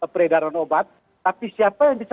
peredaran obat tapi siapa yang bisa